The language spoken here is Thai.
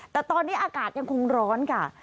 แต่ตอนนี้อากาศยังคงร้อนค่ะ